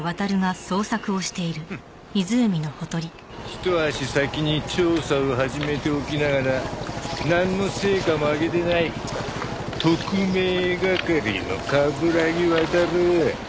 一足先に調査を始めておきながらなんの成果も上げてない特命係の冠城亘。